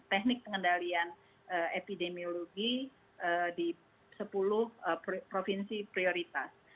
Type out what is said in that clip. teknik pengendalian epidemiologi di sepuluh provinsi prioritas